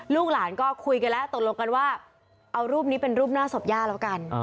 ลูกหลานก็คุยกันแล้วตกลงกันว่าเอารูปนี้เป็นรูปหน้าศพย่าแล้วกัน